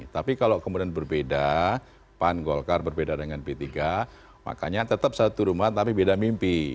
tapi kalau kemudian berbeda pan golkar berbeda dengan p tiga makanya tetap satu rumah tapi beda mimpi